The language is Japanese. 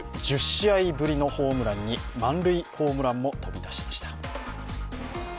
１０試合ぶりのホームランに満塁ホームランも飛び出しました。